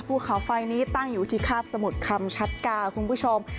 ภูเขาไฟนี้ตั้งอยู่ที่คาบสมุทรคำชัดกาคุณผู้ชม